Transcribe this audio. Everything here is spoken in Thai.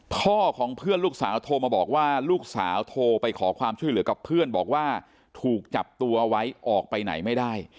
พ่อของเพื่อนลูกสาวโทรมาบอกว่าลูกสาวโทรไปขอความช่วยเหลือกับเพื่อนบอกว่าถูกจับตัวไว้ออกไปไหนไม่ได้